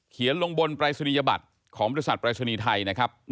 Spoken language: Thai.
ลงบนปรายศนียบัตรของบริษัทปรายศนีย์ไทยนะครับ